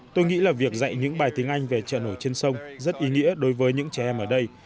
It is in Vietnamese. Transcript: tôi nghĩ là việc dạy những bài tiếng anh về trợ nổi trên sông rất ý nghĩa đối với những trẻ em ở đây